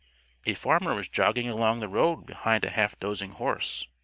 A farmer was jogging along the road behind a half dozing horse.